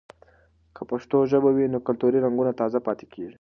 که پښتو ژبه وي، نو کلتوري رنګونه تازه پاتې وي.